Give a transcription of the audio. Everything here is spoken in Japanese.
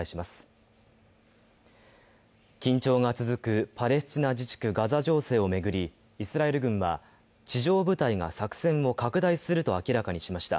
緊張が続くパレスチナ自治区ガザ情勢をめぐりイスラエル軍は地上部隊が作戦を拡大すると明らかにしました。